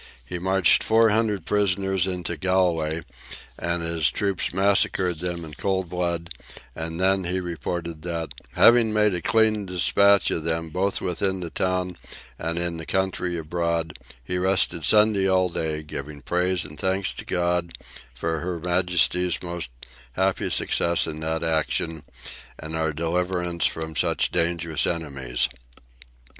He marched four hundred prisoners into Galway, and his troops massacred them in cold blood, and then he reported that, "having made a clean despatch of them both within the town, and in the country abroad, he rested Sunday all day, giving praise and thanks to God for Her Majesty's most happy success in that action, and our deliverance from such dangerous enemies."